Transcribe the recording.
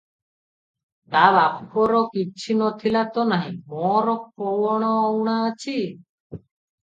ତା ବାପର କିଛି ନ ଥିଲା ତ ନାହିଁ, ମୋର କଣ ଉଣା ଅଛି?